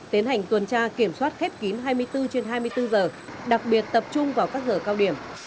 tiến hành tuần tra kiểm soát khép kín hai mươi bốn trên hai mươi bốn giờ đặc biệt tập trung vào các giờ cao điểm